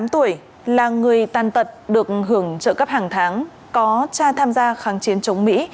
tám tuổi là người tàn tật được hưởng trợ cấp hàng tháng có cha tham gia kháng chiến chống mỹ